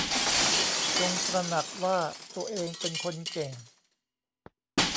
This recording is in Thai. จงตระหนักว่าตัวเองเป็นคนเก่ง